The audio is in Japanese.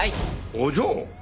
お嬢？